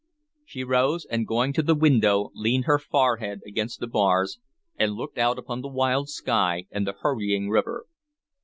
She rose, and going to the window leaned her forehead against the bars, and looked out upon the wild sky and the hurrying river.